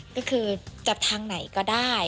ก็คือจับทางไหนก็ได้